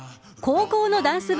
高校のダンス部